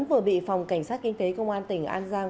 vừa bị phòng cảnh sát kinh tế công an tỉnh an giang